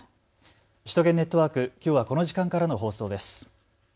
首都圏ネットワーク、きょうはこの時間からの放送です。